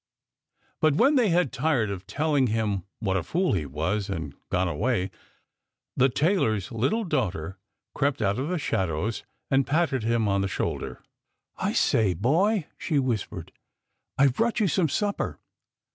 But when they had tired of telling him what a fool he was, and gone away, the tailor's little daughter crept out of the shadows and patted him on the shoulder. 214 THE POET'S ALLEGORY " I say, boy !" she whispered. " I've brought you some supper.